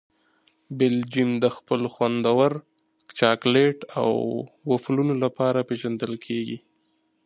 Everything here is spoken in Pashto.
بلجیم د خپل خوندور چاکلېټ او وفلونو لپاره پېژندل کیږي.